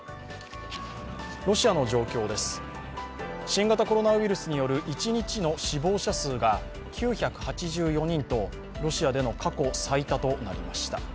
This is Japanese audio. ロシアの状況です、新型コロナウイルスによる一日の死亡者数が９８４人とロシアでの過去最多となりました。